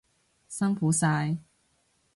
辛苦晒！